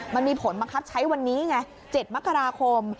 มันมีผลบังคับใช้วันนี้ไง๗มกราคม